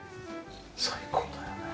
最高だよね。